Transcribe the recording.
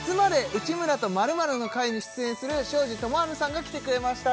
内村と○○の会」に出演する庄司智春さんが来てくれました